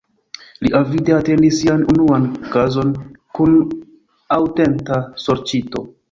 Li avide atendis sian unuan kazon kun aŭtenta sorĉito.